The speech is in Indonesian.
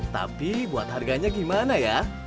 tapi buat harganya gimana ya